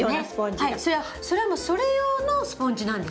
それはもうそれ用のスポンジなんですね。